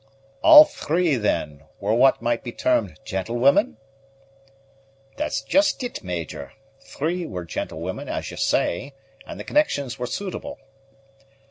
"All three, then, were what might be termed gentlewomen?" "That's just it, Major. Three were gentlewomen, as you say, and the connections were suitable."